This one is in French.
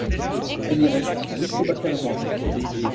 Elle y reste jusqu'au Baccalauréat.